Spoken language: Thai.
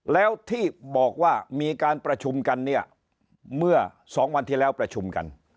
แล้วที่บอกว่ามีการประชุมกันเนี่ยเมื่อ๒วันที่แล้วประชุมกัน